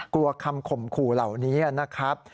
กลัวคำข่มขู่เหล่านี้นะครับ